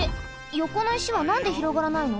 よこの石はなんで広がらないの？